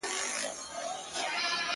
• کور مي ورانېدی ورته کتله مي.